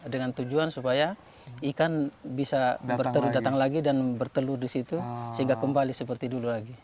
dengan tujuan supaya ikan bisa datang lagi dan bertelur di situ sehingga kembali seperti dulu lagi